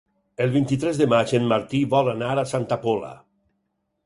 El vint-i-tres de maig en Martí vol anar a Santa Pola.